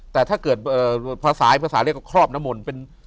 แต่ถ้าเกิดภาษาภาษาเรียกว่าครอบน้ำมนต์